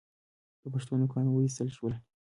د پښو نوکان و ایستل شول.